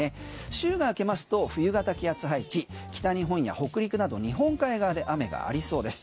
週が明けますと冬型気圧配置、北日本や北陸など日本海側で雨がありそうです。